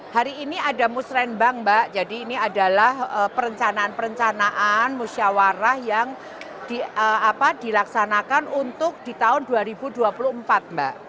hari ini ada musrembang mbak jadi ini adalah perencanaan perencanaan musyawarah yang dilaksanakan untuk di tahun dua ribu dua puluh empat mbak